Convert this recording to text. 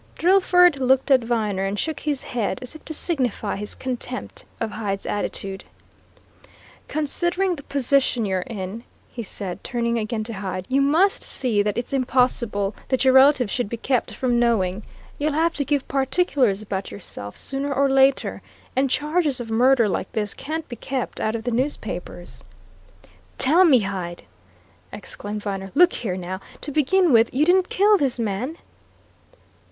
Drillford looked at Viner and shook his head, as if to signify his contempt of Hyde's attitude. "Considering the position you're in," he said, turning again to Hyde, "you must see that it's impossible that your relations should be kept from knowing. You'll have to give particulars about yourself, sooner or later. And charges of murder, like this, can't be kept out of the newspapers." "Tell me, Hyde!" exclaimed Viner. "Look here, now, to begin with you didn't kill this man?"